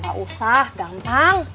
gak usah gampang